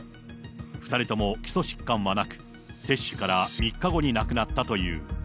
２人とも基礎疾患はなく、接種から３日後に亡くなったという。